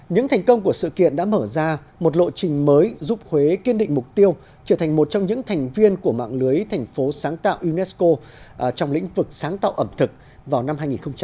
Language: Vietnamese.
những thành công của sự kiện đã mở ra một lộ trình mới giúp huế kiên định mục tiêu trở thành một trong những thành viên của mạng lưới thành phố sáng tạo unesco trong lĩnh vực sáng tạo ẩm thực vào năm hai nghìn hai mươi